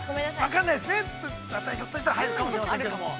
◆ひょっとしたら入るかもしれませんけども。